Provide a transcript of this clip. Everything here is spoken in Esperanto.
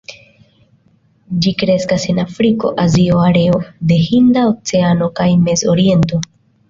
Ĝi kreskas en Afriko, Azio, areo de Hinda Oceano kaj Mez-Oriento.